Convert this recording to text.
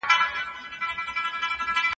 په بازارونو کي باید د نرخونو د کنټرول سیسټم وي.